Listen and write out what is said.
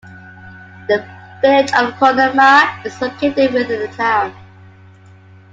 The Village of Coloma is located within the town.